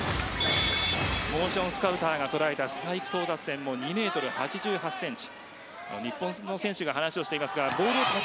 モーションスカウターが捉えたスパイク到達点も２メートル８８センチ。